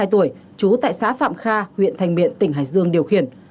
bốn mươi hai tuổi trú tại xã phạm kha huyện thanh miện tỉnh hải dương điều khiển